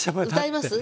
歌います？